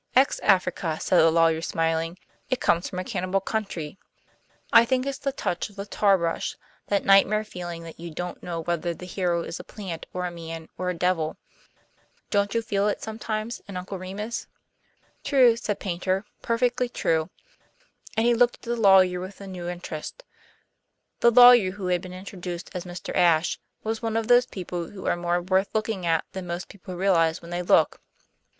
"Ex Africa," said the lawyer, smiling. "It comes from a cannibal country. I think it's the touch of the tar brush, that nightmare feeling that you don't know whether the hero is a plant or a man or a devil. Don't you feel it sometimes in 'Uncle Remus'?" "True," said Paynter. "Perfectly true." And he looked at the lawyer with a new interest. The lawyer, who had been introduced as Mr. Ashe, was one of those people who are more worth looking at than most people realize when they look.